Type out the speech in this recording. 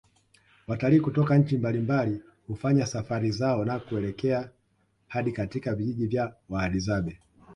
Watalii kutoka nchi mbalimbali hufanya safari zao na kuelekea hadi katika vijiji vya wahadzabe